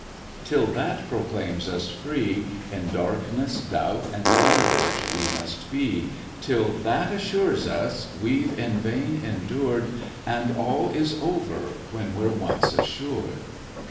till that proclaims us free, In darkness, doubt, and bondage we must be; Till that assures us, we've in vain endured, And all is over when we're once assured.